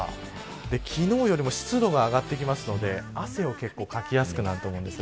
昨日よりも湿度が上がってくるので汗を結構かきやすくなると思います。